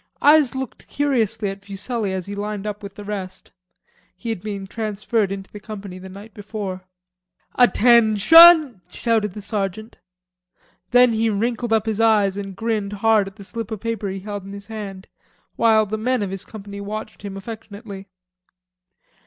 Eyes looked curiously at Fuselli as he lined up with the rest. He had been transferred into the company the night before. "Attenshun," shouted the sergeant. Then he wrinkled up his eyes and grinned hard at the slip of paper he had in his hand, while the men of his company watched him affectionately.